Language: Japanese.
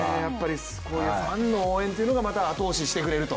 こういうファンの応援というのが後押ししてくれると。